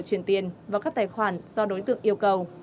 chuyển tiền vào các tài khoản do đối tượng yêu cầu